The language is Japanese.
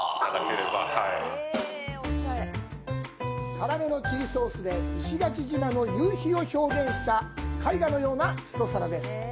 辛めのチリソースで石垣島の夕日を表現した、絵画のような一皿です。